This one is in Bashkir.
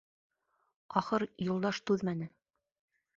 Ахыр, Юлдаш түҙмәне: